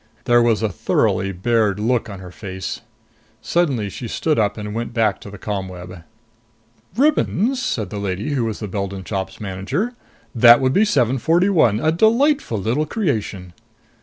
There was a thoroughly bared look on her face. Suddenly she stood up and went back to the ComWeb. "Ribbons?" said the lady who was the Beldon Shop's manager. "That would be 741. A delightful little creation!"